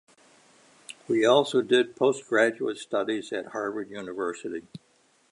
He also did postgraduate studies at Harvard University.